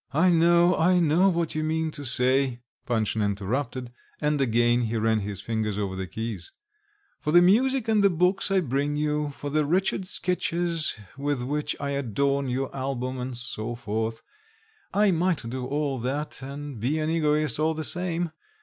"I know, I know what you mean to say," Panshin interrupted, and again he ran his fingers over the keys: "for the music and the books I bring you, for the wretched sketches with which I adorn your album, and so forth. I might do all that and be an egoist all the same.